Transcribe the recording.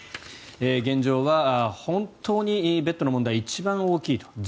現状は本当にベッドの問題が一番大きいと。